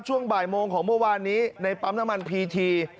ช่วงบ่ายโมงของเมื่อวานนี้ในปั๊มน้ำมันพีที